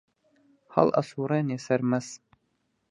هەڵ ئەسووڕێنێ سەرمەس